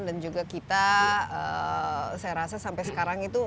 dan juga kita saya rasa sampai sekarang itu